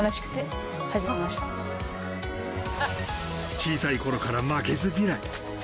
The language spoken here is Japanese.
小さい頃から負けず嫌い。